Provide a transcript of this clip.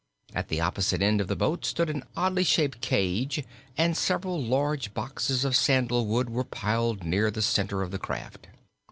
At the opposite end of the boat stood an oddly shaped cage, and several large boxes of sandalwood were piled near the center of the craft.